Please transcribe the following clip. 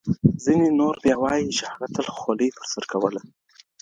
ځیني نور بیا وایي چي هغه تل خولۍ پر سر کوله.